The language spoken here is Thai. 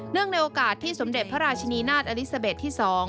เนื่องในโอกาสที่สดภาชนีนาฏอลิซาเบ็ดที่๒